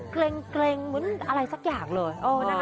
เกร็งเหมือนอะไรสักอย่างเลย